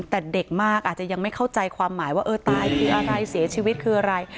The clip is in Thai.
แต่เด็กมากอาจจะยังไม่เข้าใจความหมายว่าเออตายคืออะไรเสียชีวิตคืออะไร